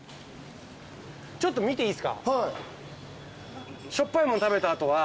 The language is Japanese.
ちょっと見ていいっすか？